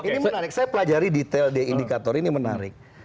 ini menarik saya pelajari detail di indikator ini menarik